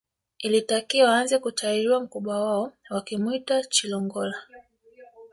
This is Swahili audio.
Ilitakiwa aanze kutahiriwa mkubwa wao wakimuita Chilongola